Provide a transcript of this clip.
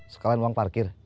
sekalian uang parkir